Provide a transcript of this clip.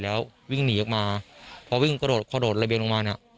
แล้ววิ่งหนีออกมาพอวิ่งกระโดดกระโดดระเบียงลงมาเนี่ย